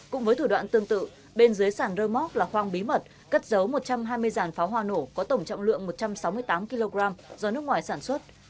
cũng với thủ đoạn tương tự bên dưới sàn rơ móc là khoang bí mật cất giấu một trăm hai mươi dàn pháo hoa nổ có tổng trọng lượng một trăm sáu mươi tám kg do nước ngoài sản xuất